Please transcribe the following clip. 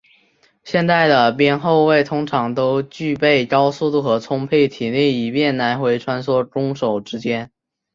现代的边后卫通常都具备高速度和充沛体力以便来回穿梭攻守之间。